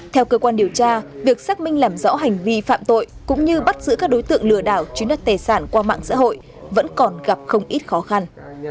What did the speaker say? theo cơ quan điều tra việc xác minh làm rõ hành vi phạm tội cũng như bắt giữ các đối tượng lừa đảo chiếm đất tài sản qua mạng xã hội vẫn còn gặp không ít khó khăn